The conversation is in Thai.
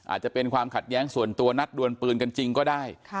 อาจจะเป็นความขัดแย้งส่วนตัวนัดดวนปืนกันจริงก็ได้